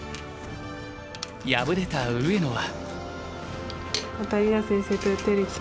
敗れた上野は。